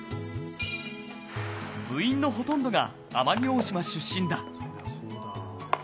部員のほとんどが奄美大島出身だ。